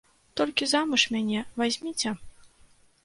Толькі замуж мяне вазьміце.